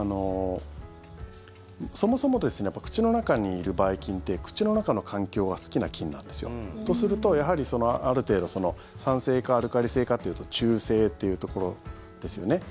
そもそも口の中にいるばい菌って口の中の環境が好きな菌なんですよ。とすると、やはりある程度酸性かアルカリ性かというと中性っていうところですよね。